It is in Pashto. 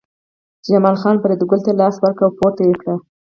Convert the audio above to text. جمال خان فریدګل ته لاس ورکړ او پورته یې کړ